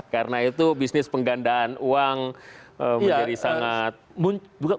karena itu bisnis penggandaan uang menjadi sangat